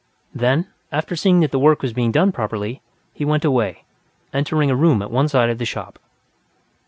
Then, after seeing that the work was being done properly, he went away, entering a room at one side of the shop.